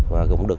và cũng được